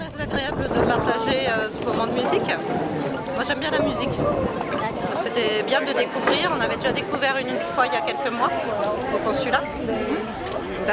sangat menyenangkan untuk berbagi tentang musik